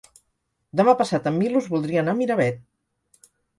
Demà passat en Milos voldria anar a Miravet.